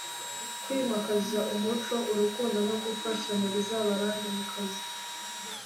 kwimakaza umuco urukundo no gufashanya bizabarange mu kazi